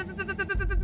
tuh tuh tuh tuh tuh